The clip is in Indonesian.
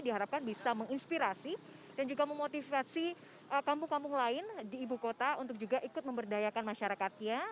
diharapkan bisa menginspirasi dan juga memotivasi kampung kampung lain di ibu kota untuk juga ikut memberdayakan masyarakatnya